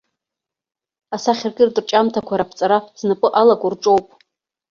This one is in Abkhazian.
Асахьаркыратә рҿиамҭақәа раԥҵара знапы алаку рҿоуп.